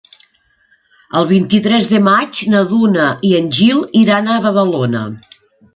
El vint-i-tres de maig na Duna i en Gil iran a Badalona.